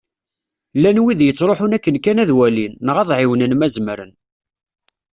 Llan wid yettruḥun akken kan ad walin, neɣ ad ɛiwnen ma zemren.